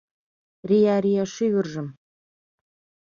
Рия-рия шӱвыржым